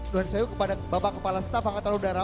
tuhan yesus kepada bapak kepala staf angkatan udara